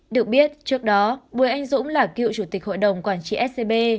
được biết trước đó bùi anh dũng là cựu chủ tịch hội đồng quản trị scb